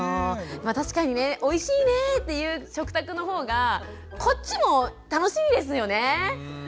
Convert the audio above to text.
確かにねおいしいねっていう食卓の方がこっちも楽しいですよね。